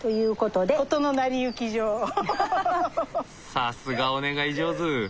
さすがお願い上手。